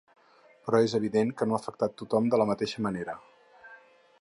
Però és evident que no ha afectat tothom de la mateixa manera.